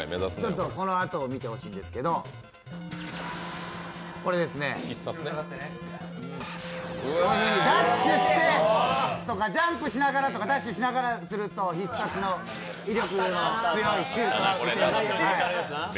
このあとを見てほしいんですけどダッシュしてとかジャンプしながらとかすると必殺の威力の強いシュートが出せる。